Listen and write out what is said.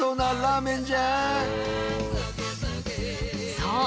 そう！